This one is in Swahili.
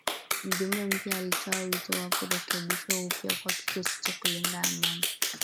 Mjumbe mpya alitoa wito wa kurekebishwa upya kwa kikosi cha kulinda amani